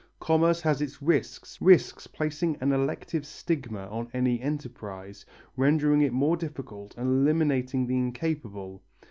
Commerce has its risks, risks placing an elective stigma on any enterprise, rendering it more difficult and eliminating the incapable.